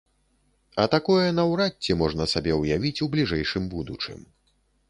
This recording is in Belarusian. А такое наўрад ці можна сабе ўявіць у бліжэйшым будучым.